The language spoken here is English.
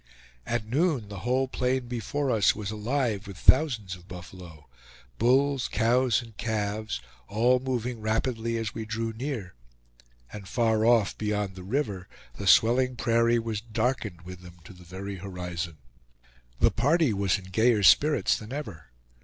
At noon, the whole plain before us was alive with thousands of buffalo bulls, cows, and calves all moving rapidly as we drew near; and far off beyond the river the swelling prairie was darkened with them to the very horizon. The party was in gayer spirits than ever.